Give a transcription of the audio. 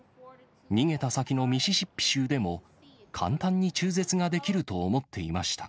逃げた先のミシシッピ州でも、簡単に中絶ができると思っていました。